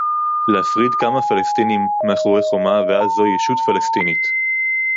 להפריד כמה פלסטינים מאחורי חומה ואז זו ישות פלסטינית